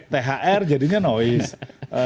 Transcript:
thr jadinya noise